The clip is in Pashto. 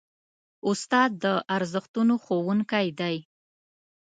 استاد د ارزښتونو ښوونکی دی.